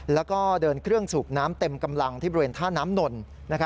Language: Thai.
แล้วก็เดินเครื่องสูบน้ำเต็มกำลังที่บริเวณท่าน้ำนน